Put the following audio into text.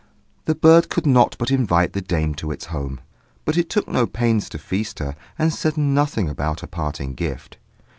The bird could not but invite the dame to its home; but it took no pains to feast her, and said nothing about a parting gift.